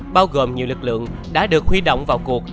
bao gồm nhiều lực lượng đã được huy động vào cuộc